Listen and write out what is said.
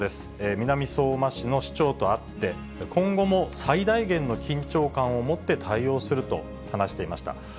南相馬市の市長と会って、今後も最大限の緊張感を持って対応すると話していました。